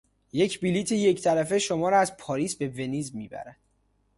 یک بلیت یک طرفه شما را از پاریس به ونیز میبرد.